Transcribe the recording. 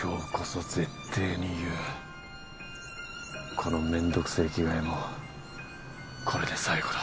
このめんどくせぇ着替えもこれで最後だ。